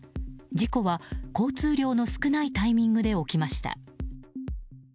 事故は交通量の少ないタイミングで起きました。